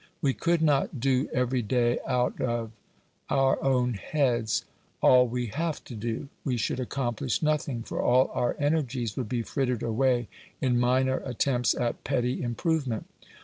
We could not do every day out of our own heads all we have to do. We should accomplish nothing, for all our energies would be frittered away in minor attempts at petty improvement.